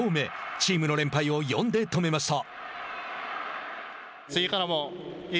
チームの連敗を４で止めました。